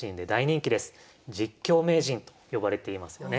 実況名人と呼ばれていますよね。